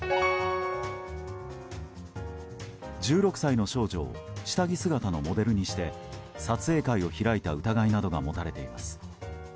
１６歳の少女を下着姿のモデルにして撮影会を開いた疑いなどが持たれています。